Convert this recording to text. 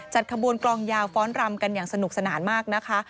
ขบวนกลองยาวฟ้อนรำกันอย่างสนุกสนานมากนะคะ